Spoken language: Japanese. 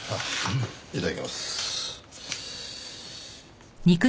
いただきます。